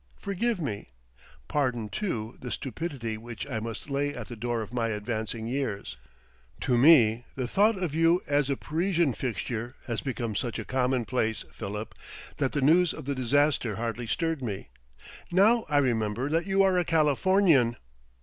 Forgive me.... Pardon, too, the stupidity which I must lay at the door of my advancing years; to me the thought of you as a Parisian fixture has become such a commonplace, Philip, that the news of the disaster hardly stirred me. Now I remember that you are a Californian!"